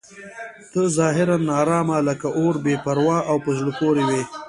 ته ظاهراً ناارامه لکه اور بې پروا او په زړه پورې وې.